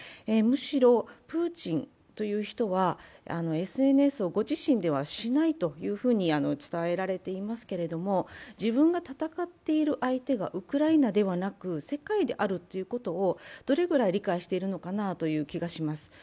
むしろプーチンという人は、ＳＮＳをご自身ではしないと伝えられていますけれども、自分が戦っている相手がウクライナではなく世界であるということをどれぐらい理解しているのかなという気がします。